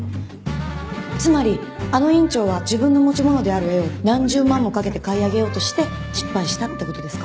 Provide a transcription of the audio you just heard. つまりあの院長は自分の持ち物である絵を何十万もかけて買い上げようとして失敗したって事ですか？